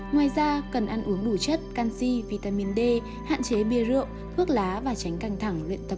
ngoài ra cần ăn uống đủ chất canxi vitamin d hạn chế bia rượu bước lá và tránh căng thẳng luyện tập quá mức